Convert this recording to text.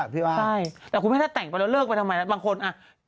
ใช่คนแต่งแล้วเลิกไปทำไมแต่บางคนอ่ะ